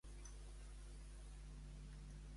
Què li va demanar al noi el seu pare quan va ser a casa?